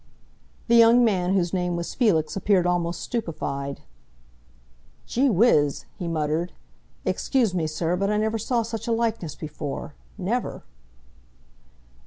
The young man whose name was Felix appeared almost stupefied. "Gee whiz!" he muttered. "Excuse me, sir, but I never saw such a likeness before never!"